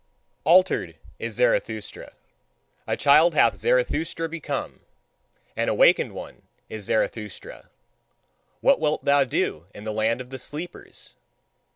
Altered is Zarathustra; a child hath Zarathustra become; an awakened one is Zarathustra: what wilt thou do in the land of the sleepers?